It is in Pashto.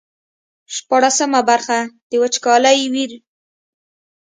شپاړسمه برخه د وچکالۍ ویر.